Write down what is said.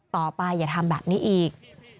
ต่อไปอย่าทำแบบนี้อีก